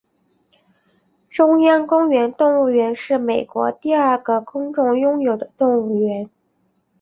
中央公园动物园是美国第二个公众拥有的动物园。